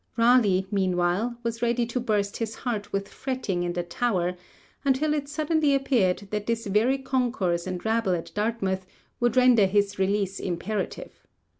Raleigh, meanwhile, was ready to burst his heart with fretting in the Tower, until it suddenly appeared that this very concourse and rabble at Dartmouth would render his release imperative.